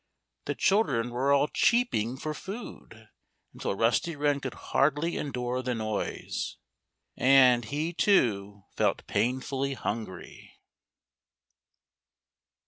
The children were all cheeping for food, until Rusty Wren could hardly endure the noise. And he, too, felt painfully hungry.